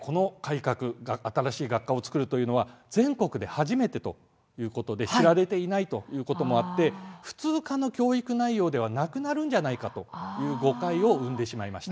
新しい学科を作るというのは全国で初めてということで知られていないということもあって、普通科の教育内容ではなくなるのではないかという誤解を生んでしまいました。